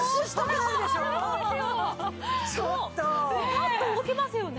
パッと動けますよね。